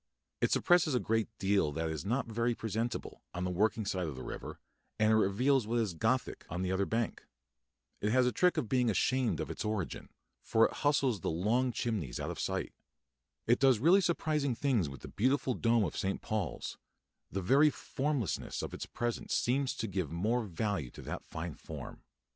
It suppresses a great deal that is not very presentable, on the working side of the river, and it reveals what is Gothic on the other bank. It has a trick of being ashamed of its origin, for it hustles the long chimneys out of sight. It does really surprising things with the beautiful dome of St. Paul's; the very formlessness of its presence seems to give more value to that fine form.